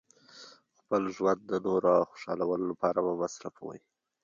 خپل ژوند د نورو د خوشحالولو لپاره مه مصرفوئ.